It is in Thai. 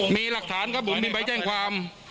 มีหลักฐานครับผมมีใบแจ้งความ